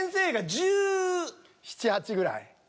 １７１８ぐらい？